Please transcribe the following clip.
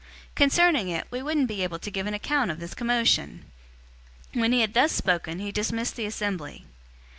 Concerning it, we wouldn't be able to give an account of this commotion." 019:041 When he had thus spoken, he dismissed the assembly.